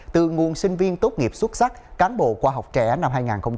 từ nguồn sinh viên tốt nghiệp xuất sắc cán bộ khoa học trẻ năm hai nghìn hai mươi